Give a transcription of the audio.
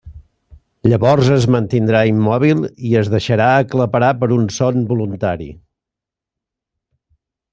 Llavors es mantindrà immòbil i es deixarà aclaparar per un son voluntari.